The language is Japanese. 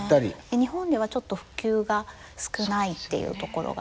日本ではちょっと普及が少ないっていうところがあって。